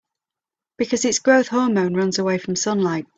Because its growth hormone runs away from sunlight.